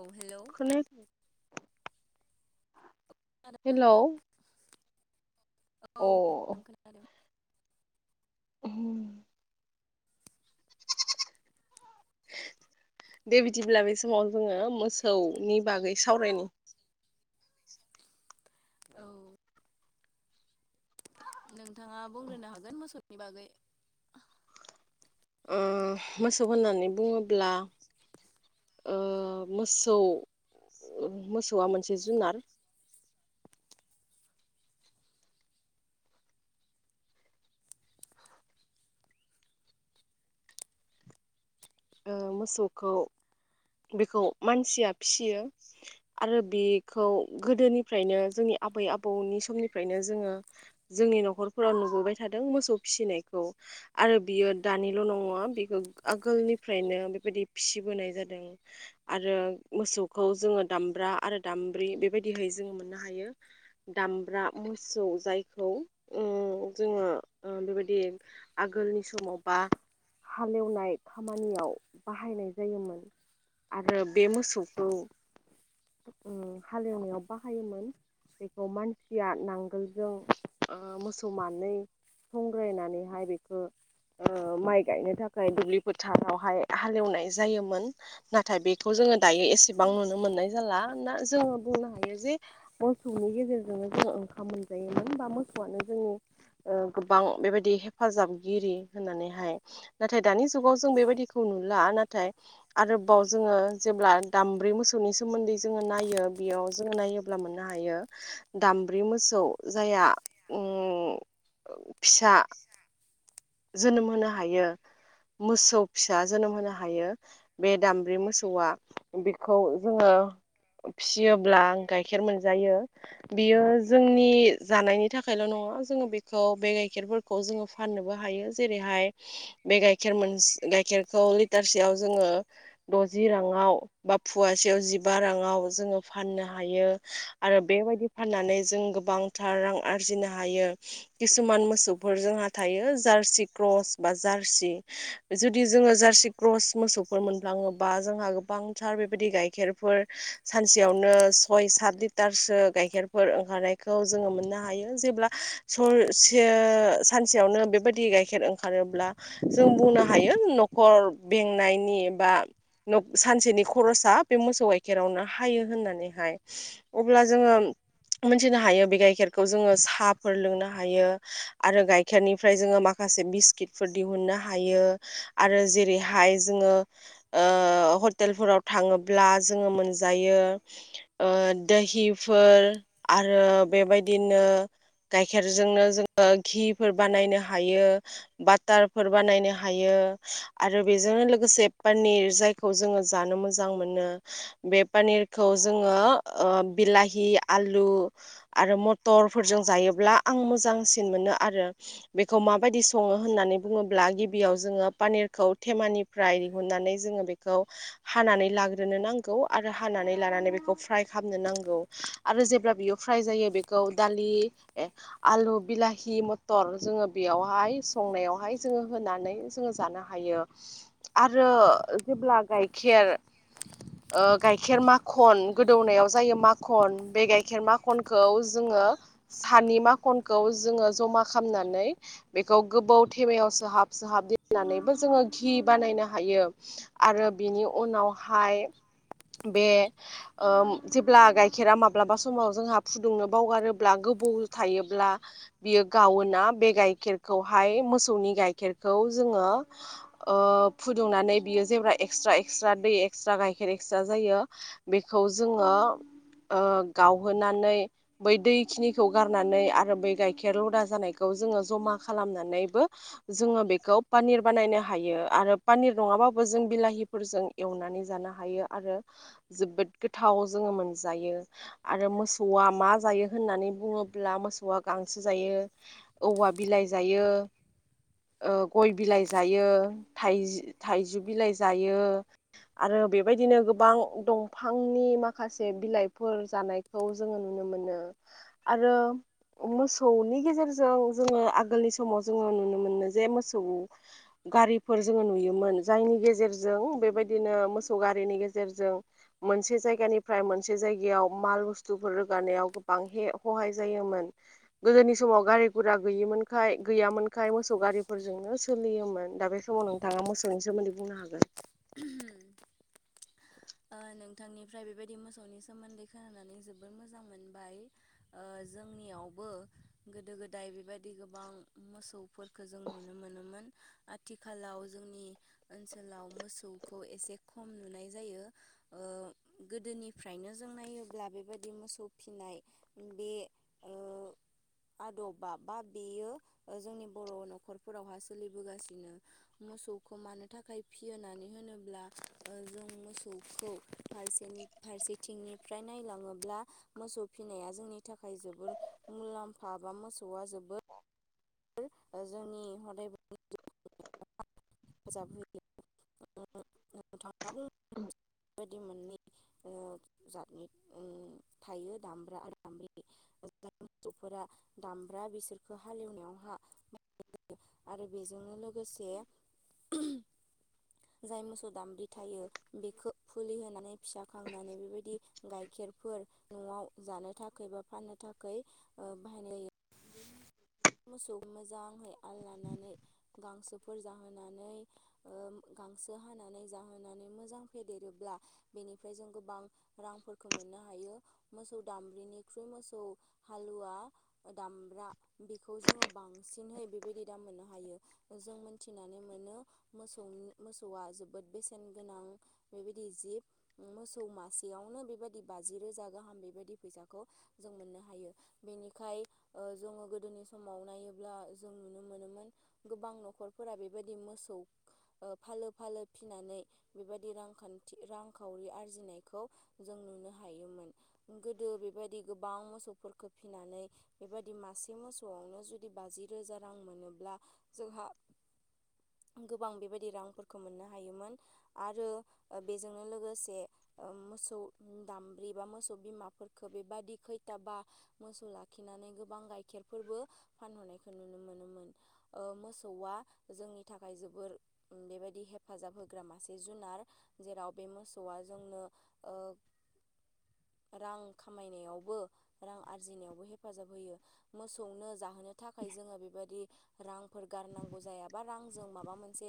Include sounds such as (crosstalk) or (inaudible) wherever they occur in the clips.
औ हेलौ खोनाया खोनादों हेलौ नोंथां औ (unintelligible) अ खोनादों (unintelligible) दे बिदिब्ला बे समाव जोङो मोसौनि बागै सावरायनि औ नोंथाङा बुंग्रोनो हागोन मोसौनि बागै उम मोसौ होननानै बुङोब्ला ओ मोसौ मोसौआ मोनसे जुनार ओ मोसौखौ बेखौ मानसिया फिसियो आरो बेखौ गोदोनिफ्रायनो जोंनि आबै आबौनि समनिफ्रायनो जोङो जोंनि न'खरफोराव नुबोबाय थादों मोसौ फिसिनायखौ आरो बियो दानिल' नङा बेखौ आगोलनि फ्रायनो बेबायदि फिसिबोनाय जादों आरो मोसौखौ जोङो दामब्रा आरो दाम ब्रि बेबायदिहै जों मोननो हायो दामब्रा मोसौ जायखौ ओ जोङो ओ बेबायदि आगोलनि समाव बा हालेवनाय खामानियाव बाहायनाय जायोमोन आरो बे मोसौखौ ओ हालेवनायाव बाहायोमोन बेखौ मानसिया नांगोलजों ओ मोसौ मानै संग्रायनानैहाय बेखौ ओ माइ गायनो थाखाय दुब्लि फोथारावहाय हालेवनाय जायोमोन नाथाय बेखौ जोङो दायो एसेबां नुनो मोननाय जाला ना जोङो बुंनो हायो जे मोसौनि गेजेरजोंनो जों ओंखाम मोनजायोमोन बा मोसौआनो जोंनि ओ गोबां बेबायदि हेफाजाबगिरि होननानैहाय नाथाय दानि जुगाव जों बेबायदिखौ नुला नाथाय आरोबाव जोङो जेब्ला दामब्रि मोसौनि सोमोन्दै जोङो नायो बेयाव जोङो नायोब्ला मोननो हायो दामब्रि मोसौ जाया ओम फिसा जोनोम होनो हायो। मोसौ फिसा जोनोम होनो हायो बे दामब्रि मोसौआ बेखौ जोङो फियोब्ला आं गाइखेर मोनजायो बियो जोंनि जानायनि थाखायल' न ङा जोङो बेखौ बे गाइखेरफोरखौ जोङो फाननोबो हायो जेरैहाय बे गाइखेर मोनस गाइखेरखौ लिटारसेयाव जोङो द'जि राङाव बा फुवासेयाव जिबा राङाव जोङो फाननो हायो आरो बेबायदि फाननानै जों गोबांथार रां आरजिनो हायो किसुमान मोसौफोर जोंहा थायो जारसि क्रस बा जार्सि जुदि जोङो जार्सि क्रस मोसौफोर मोनफ्लाङोबा जोंहा गोबांथार बेबायदि गाइखेरफोर सानसेयावनो सय सात लिटारसो गाइखेर- फोर ओंखारनायखौ जों मोननो हायो जेब्ला सानसेआवनो बेबा- दा गाइखेर ओंखारोब्ला जों बुंनो हायो न'खर बेंनायनि बा सानसेनि खर'सा बे मोसौ गाइखेरावनो हायो होननानैहाय अब्ला जोङो मोनथिनो हायो बे गाइखेरखौ जोङो साहाफोर लोंनो हायो आरो गाइखेरनिफ्राय जोङो मा- खासे बिस्किटफोर दिहुननो हायो आरो जेरैहाय जोङो हटेलफोराव थाङोब्ला जोङो मोनजायो ओ दोहिफोर आरो बेबायदिनो गाइखेरजोंनो जोङो घीफोर बानायनो हायो बाटारफोर बानायनो हायो आरो बेजोंनो लोगोसे पनिर जाय खौ जोंङो जानो मोजां मोनो बे पनिरखौ जोङो ओ बिलाहि आलु आरो मथरफोरजों जायोब्ला आं मोजांसिन मोनो आरो बेखौ माबायदि सङो होननानै बुङोब्ला गिबियाव जोङो पानिरखौ थेमानिफ्राय दिहुननानै जों ङो बेखौ हानानै लाग्रोनो नांगौ आरो हानानै लानानै बेखौ फ्राय खालामनो नांगौ आरो जेब्ला बियो फ्राय जायो बेखौ दालि आलु बिलाहि मथर जोङो बेयावहाय संनायावहाय जोङो होनानै जोङो जानो हायो आरो जेब्ला गाइखेर ओ गाइखेर माखन गोदौनायाव जायो माखन बे गाइखेर माखनखौ जोङो ङो सानि माखनखौ जोङो जमा खालामनानै नै बेखौ गोबाव थेमायाव सोहाब सोहाब देननानैबो जोङो घि बानायनो हायो आरो बिनि उनावहाय बे ओ जेब्ला गाइखेरा माब्लाबा समाव जोंहा फुदुंनो बावगारोब्ला बाव थायोब्ला बियो गावोना बे गाइखेरखौहाय मोसौनि गाइखेरखौ जोङो ओ फुदुंनानै बियो जेब्ला एक्स्ट्रा एक्स्ट्रा दै एक्स्ट्रा गायखेर एक्स्ट्रा होयो बेखौ जोङो ओ गावहोनानै बै दैखिनिखौ गारनानै आरो बै गाइखेर लदा जानाय खौ जोङो जमा खालामनानैबो जोङो बेखौ पानिर बानायनो हायो आरो पानिर नङा बाबो जों बिलाहिफोरजों एवनानै जानो हायो आरो जोबोद गोथाव जोङो मोनजा यो‌ आरो मोसौआ मा जायो होननानै बुङोब्ला मोसौआ गांसो जायो औवा बिलाइ जायो ओ गय बिलाइ जायो थाइजो-थाइजौ बिलाइ जायो आरो बेबायदिनो गोबां दंफांनि माखासे बिलाइफोर जानायखौ जोङो नुनो नो मोनो आरो मोसौनि गेजेर जों जोङो आगोलनि समाव जोङो नुनो मोनो जे मोसौ गारिफोर जोङो नुयोमोन जायनि गेजेरजों बेबायदिनो मोसौ गारिनि गेजेरजों मोनसे जायगानिफ्राय मोनसे जायगायाव माल बुस्थुफोर रोगानायाव गोबां हे ह'हाय जायोमोन गोदोनि समाव गारि बुरजा गैयिमोनखाय गैयामोनखाय मोसौ गारिफोरजोंनो सोलियोमोन दा बे समाव नोंथाङा मोसौनि सो मोन्दै बुंनो हागोन। उम। ओ नोंथांनिफ्राय बेबायदि मोसौनि सोमोन्दै खोनानानै जोबोर मोजां मोनबाय। ओ जोंनियावबो गोदो गोदाय बेबायदि गोबां मोसौ फोरखो जों नुनो मोनोमोन। आथिखालाव जोंनि ओनसोलाव मोसौखौ एसे खम नुनाय जायो। ओ (inaudible) गोदोनिफ्रायनो जों नायोब्ला बेबायदि मोसौ फिनाय बे ओ आदबा बा बेयो ओ जोंनि बर' न'खरफोरावहा सोलिबोगासिनो मो मोसौखौ मानो थाखाय फियो होननानै होनोब्ला ओ जों मोस सौखौ फारसेनि फारसेथिंनिफ्राय नायलाङोब्ला मोसौ फिनाया जोंनि थाखा खाय जोबोर मुलाम्फा बा मोसौआ जोबोद ओ जोंनि हदाय हेफाजाब होयो नों नोंथाङाबो बेबायदि मोननै उमुं जाथनि उम थायो दामब्रा आरो दामब्रि मोसौफोरा दामब्रा बिसोरखौ हालेवनायावहा आरो बेजोंनो लोगोसे जाय मोसौ दामब्रि थायो बेखो फुलि होनानै फिसा खांनानै बेबायदि गाय खेरफोर न'आव जानो थाखाय बा फाननो थाखाय ओ बाहायनाय हायो। मोसौ मोजाङै आल लानानै गांसोफोर जाहोनानै ओ गांसो हानानै जाहोनानै मोजां फेदेरोब्ला बेनिफ्राय जों गोबां रांफोरखौ मोननो हायो। मोसौ दामब्रिनिख्रुइ मोसौ हालुवा ओ दामब्रा बेखौ जोङो बांसिनहै बेबायदि दाम मोननो हायो ओ जों मोनथिनानै मोनो मोसौ मोसौआ जोबोद बेसेन गोनां बेबायदि जि मोसौ मासेयावनो बेबाय बाजि रोजा गाहाम बे बायदि फैसाखौ जों मोननो हायो बेनिखाय ओ जोङो गोद दोनि समाव नायोब्ला ओ जों नुनो मोनोमोन गोबां न'खरफोरा बेबायदि मोसौ खा ओ फालो फालो फिनानै बेबायदि रांखान्थि रांखावरि आरजिनायखौ जों नु नो हायोमोन गोदो बे बादि गोबां मोसौफोरखो फिनानै बेबादि मास से मोसौआवनो जुदि बाजि रोजा रां मोनोब्ला जोंहा गोबां बेबायदि रांफोरखौ मोननो हायोमोन आरो ओ बेजोंनो लोगोसे ओ मोसौ दामब्रि बा मोसौ बिमाफोरखो बेबादि खैथा बा मोसौ लाखिना नै गोबां गाइखे फोरबो फानहरनायखौ नुनो मोनोमोन ओ मोसौआ जोंनि थाखाय जोबोर बेबायदि हेफाजाब होग्रा मासे जुनार जेराव बे मोसौआ जोंनो ओ (inaudible) रां खामायनायावबो रां आरजिनायावबो हेफाजाब होयो। मोसौनो जाहोनो थाखाय जोङो बेबायदि रांफोर गारनांगौ जायाबा रांजों माबा मोनसे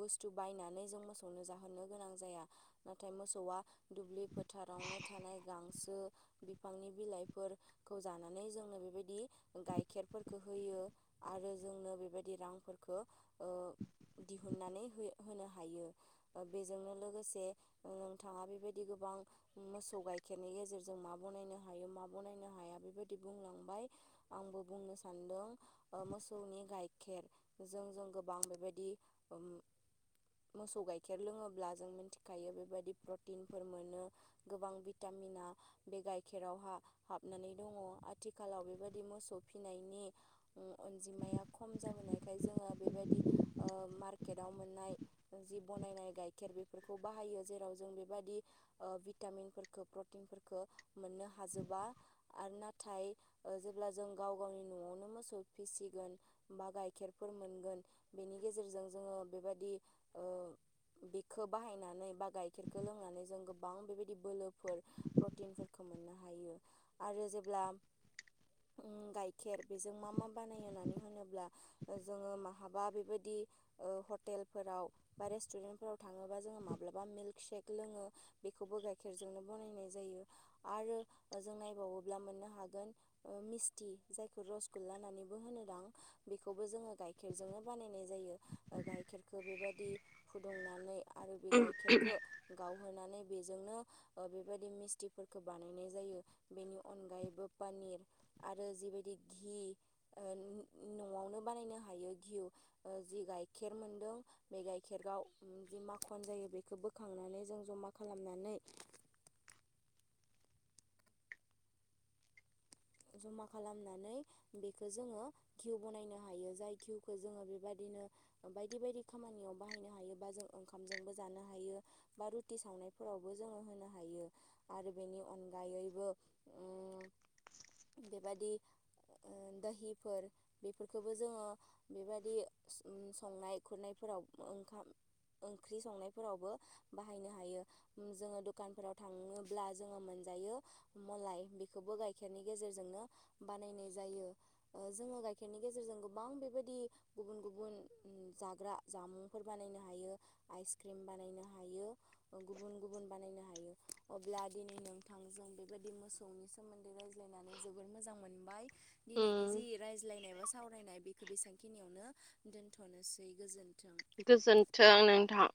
बुस्थु बायनानै जों मोसौनो जाहो नो गोनां जाया नाथाय मोसौआ दुब्लि फो थारावनो थानाय गांसो बिफांनि बिलाइफोरखौ जानानै जोंनो बेबायदि गाइखेरफोरफोरखौ होयो आरो जोंनो बेबायदि रांफोरखौ ओ दिहुननानै होयो होनो हायो दा बेजोंनो लोगोसे नोंथाङा बेबायदि गोबां मोसौ गाय गाइेरनि गेजेरजों मा बानायनो हायो मा बनायनो हाया बेबायदि बुंलांबाय आंबो बुंनो सान्दों ओ मोसौनि गाइखेर जों जों गोबां बेबायदि ओ (inaudible) मोसौ गाइखेर लोङोब्ला जों मिथिखायो बेबायदि प्रटिनफोर मोनो गोबां भिटा- मिना बे गायखेर आवहाय हाबनानै दङ' आथिखालाव दि मोसौ फिसिनायनि अनजिमाया खम जाबोनायखाय जोङो बेबायदि मार्केटाव मोननाय जि बनायनाय गाइखेर बेफोरखौ बाहायो जेराव जों बेबायदि ओ भिटामिनफोरखौ प्रटिनफोरखौ मोननो हाजोबा आरो नाथाय ओ अब्ला जों गाव गावनि न'आवनो मोसौ फिसिगोन बा गाइखेरफोर मोनगोन बेनि गेजेरजों जों जोङो बेबायदि ओ बेखौ बाहायनानै बा गाइखेरखौ लोंनानै जों गोबां बेबायदि बोलोफोर प्रटिनफोरखौ मोननो हायो आरो जेब्ला (inaudible) उम गाइखेर बेजों मा मा बानाय होननानै होनोब्ला जोङो माहाबा बेबायदि ओ हटेलफोराव बा रेस्टुरेन्टफोराव थाङोबा जोङो माब्लाबा मिल्क सेेक लोङो बेखौबो गाय- खेरजोंनो बनायनाय जायो आरो जों नायबावोब्ला मोननो हागोन ओ मिस्थि जायखौ रसगुल्लानानैबो होनो दां बेखौबो जोङो गाइखेरजोंनो बानायनाय जायो। ओ गाइखेरखौ बेबायदि फुदुंनानै आरो बे गाइखेरखौ गावहोनानै बेजोंनो बेबायदि मिस्थिफोरखौ बानायनाय जायो बेनि अनगायैबो पानिर आरो जिबायदि घि ओ न'आवनो बानायनो हायो धिउ जि गाइखेर मोन्दों बे गाइखेराव जि माखन जायो बेखौ बोखांनानै जों जमा खालामो खालामनानै (inaudible) जमा खालामनानै बेखौ जोङो धिउ बनायनो हायो जाय धिउखौ जोङो बेबायदि नो बायदि बायदि खामानियाव बाहायनो हायो बा जों ओंखामबो जानो हायो बा रुति साव नायफोरावबो जोङो होनो हायो आरो बेनि अनगायैबो बेबादि ओ दोहिफोर बेफोरखौबो जोङो बेबायदि संनाय खुरनायफोराव ओंखाम ओंख्रि संनायफोरावबो बाहायनो हायो उम जोङो दखानफोराव थाङोब्ला जोङो मोन जायो मलाय बेखौबो गाइ खेरनि गेजेरजोंनो बानायनाय जायो ओ जोङो गाइखेरनि गेजेरजों गोबां बेबायदि गुबुन गुबुन जाग्रा जामुंफोर बानायनो हायो आइसक्रिम बानायनो हायो। गुबुन गुबुन बानायनो हायो अब्ला दिनै नोंथांजों बेबायदि मोसौनि सोमोन लायनानै जोबोर मोजां मोनबाय दिनैनि जि उम रायज्लायनाय बा सावरायनाय बेखौ बेसांखिनियावनो दोनथ'नोसै गोजोन्थों। गोजोन्थों नोंथां।